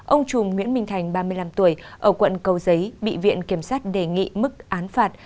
ông chùm nguyễn minh thành ba mươi năm tuổi ở quận cầu giấy bị viện kiểm sát đề nghị mức án phạt